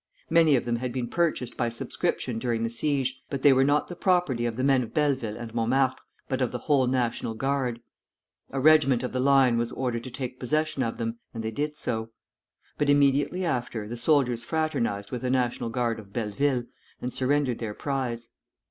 Many of them had been purchased by subscription during the siege, but they were not the property of the men of Belleville and Montmartre, but of the whole National Guard. A regiment of the line was ordered to take possession of them, and they did so. But immediately after, the soldiers fraternized with the National Guard of Belleville, and surrendered their prize.